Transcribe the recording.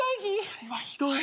あれはひどい。